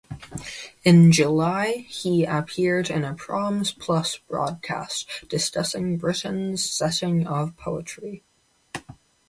In July he appeared in a Proms Plus broadcast discussing Britten's setting of poetry.